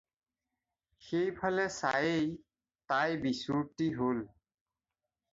সেই ফালে চায়েই তাই বিচূৰ্তি হ'ল।